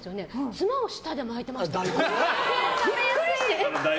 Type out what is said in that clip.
ツマを舌で巻いてました。